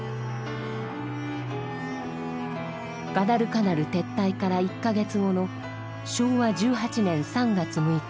ガダルカナル撤退から１か月後の昭和１８年３月６日。